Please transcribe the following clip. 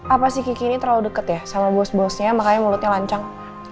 apa sih kiki ini terlalu dekat ya sama bos bosnya makanya mulutnya lancang